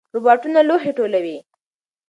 روباټونه لوښي ټولوي.